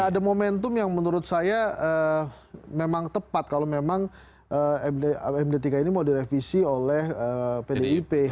ada momentum yang menurut saya memang tepat kalau memang md tiga ini mau direvisi oleh pdip